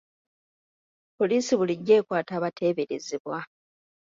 Poliisi bulijjo ekwata abateeberezebwa.